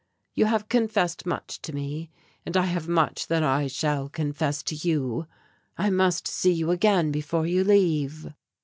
You have confessed much to me and I have much that I shall confess to you. I must see you again before you leave."